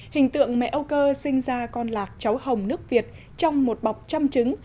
hình tượng mẹ âu cơ sinh ra con lạc cháu hồng nước việt trong một bọc chăm trứng